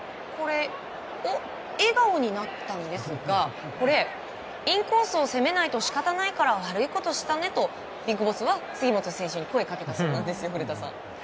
笑顔になったんですが、これインコースを攻めないと仕方ないから悪いことしたねとＢＩＧＢＯＳＳは杉本選手に声をかけたそうですよ古田さん。